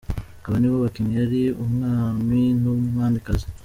Aba nibo bakinnye ari umwami n'umwamikazi.